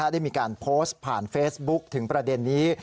ได้มีการโพสต์ผ่านเฟซบุ๊คถึงประเด็นนี้